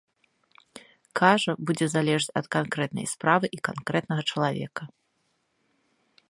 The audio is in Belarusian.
Кажа, будзе залежаць ад канкрэтнай справы і канкрэтнага чалавека.